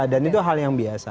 dan itu hal yang biasa